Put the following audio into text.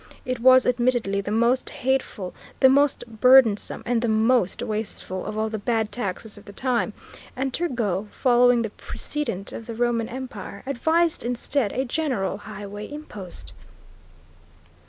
It was admittedly the most hateful, the most burdensome, and the most wasteful of all the bad taxes of the time, and Turgot, following the precedent of the Roman Empire, advised instead a general highway impost.